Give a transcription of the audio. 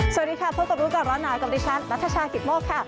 สวัสดีค่ะพบกับรู้ก่อนร้อนหนาวกับดิฉันนัทชายกิตโมกค่ะ